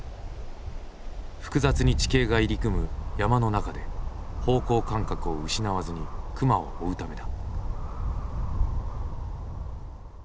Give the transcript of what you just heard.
複雑に地形が入り組む山の中で方向感覚を失わずに熊を追うためだ。